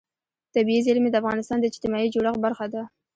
طبیعي زیرمې د افغانستان د اجتماعي جوړښت برخه ده.